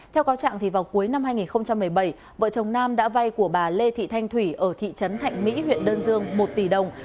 theo cáo trạng vào cuối năm hai nghìn một mươi bảy vợ chồng nam đã vay của bà lê thị thanh thủy ở thị trấn thạnh mỹ huyện đơn dương một tỷ đồng